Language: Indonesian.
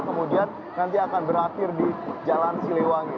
kemudian nanti akan berakhir di jalan siliwangi